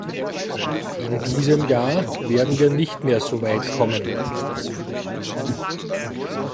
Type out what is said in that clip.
In diesem Jahr werden wir nicht mehr so weit kommen.